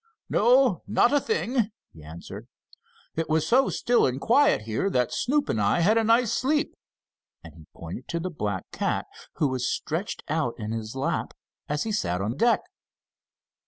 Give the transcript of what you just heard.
"No, not a thing," he answered. "It was so still and quiet here, that Snoop and I had a nice sleep," and he pointed to the black cat, who was stretched out in his lap, as he sat on deck.